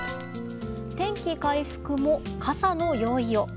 天気回復も、傘の用意を。